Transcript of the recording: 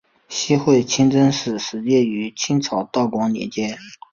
西会清真寺始建于清朝道光年间。